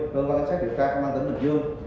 hơn quan sát điều tra công an tỉnh bình dương